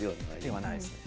ではないですね。